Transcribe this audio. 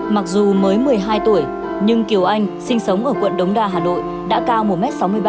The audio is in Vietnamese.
mặc dù mới một mươi hai tuổi nhưng kiều anh sinh sống ở quận đống đa hà nội đã cao một m sáu mươi bảy